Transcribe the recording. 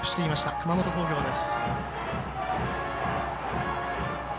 熊本工業です。